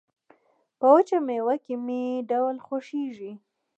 په وچه مېوه کې مې ډول خوښيږي